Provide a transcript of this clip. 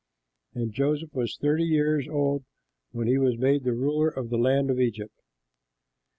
And Joseph was thirty years old when he was made the ruler of the land of Egypt.